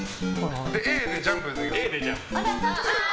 Ａでジャンプです。